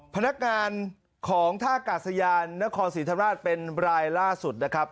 พนักงานของท่ากาศยานนครศรีธรรมราชเป็นรายล่าสุดนะครับ